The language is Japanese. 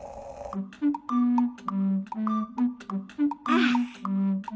ああ。